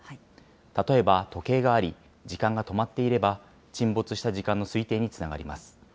例えば時計があり、時間が止まっていれば、沈没した時間の推定につながります。